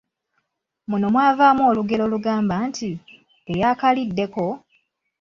Muno mwavaamu olugero olugamba nti: Eyaakaliddeko,………